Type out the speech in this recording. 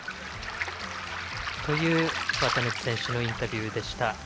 という綿貫選手のインタビューでした。